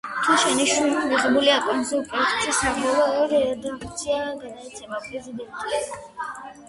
თუ შენიშვნები მიღებულია, კანონპროექტის საბოლოო რედაქცია გადაეცემა პრეზიდენტს